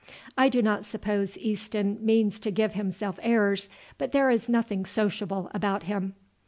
I do not suppose Easton means to give himself airs, but there is nothing sociable about him."